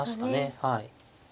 はい。